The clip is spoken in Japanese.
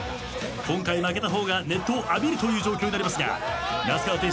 今回負けた方が熱湯を浴びるという状況になりますが那須川天心